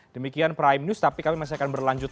demikian prime news tapi kami masih akan berlanjut